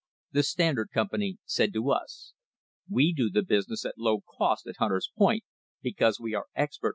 The Standard Company said to us: 'We do the business at low cost at Hunter's Point because we are expert!